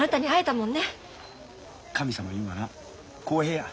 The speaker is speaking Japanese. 神様いうんはな公平や。